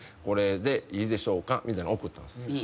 これでいいでしょうか」みたいなの送ったんですね。